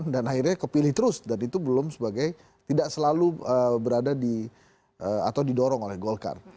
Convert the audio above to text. dan akhirnya kepilih terus dan itu belum sebagai tidak selalu berada di atau didorong oleh golkar